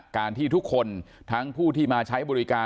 การที่ทุกคนทั้งผู้ที่มาใช้บริการ